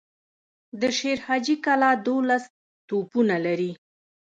د شير حاجي کلا دولس توپونه لري.